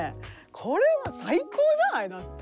これは最高じゃないだって。